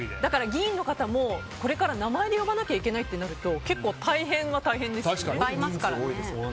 議員の方も、これから名前で呼ばなきゃいけないとなると結構大変は大変ですよね。